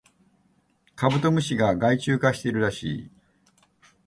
カブトムシが害虫化しているらしい